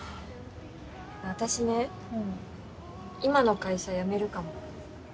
私ね今の会社辞めるかも。